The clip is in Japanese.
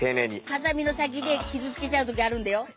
はさみの先で傷つけちゃうときあるんだよ。